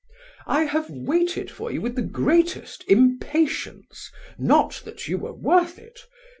"I have waited for you with the greatest impatience (not that you were worth it).